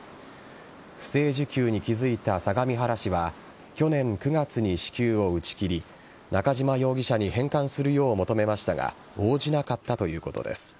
不正受給に気づいた相模原市は去年９月に支給を打ち切り中嶋容疑者に返還するよう求めましたが応じなかったということです。